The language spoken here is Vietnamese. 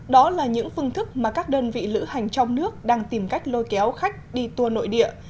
đó là những phương thức mà các đơn vị lữ hành trong nước đang tìm cách lôi kéo khách đi tour nội địa